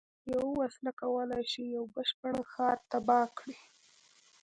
یوه وسله کولای شي یو بشپړ ښار تباه کړي